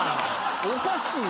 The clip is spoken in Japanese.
おかしい。